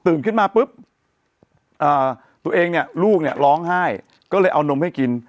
ขึ้นมาปุ๊บตัวเองเนี่ยลูกเนี่ยร้องไห้ก็เลยเอานมให้กิน